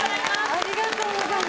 ありがとうございます。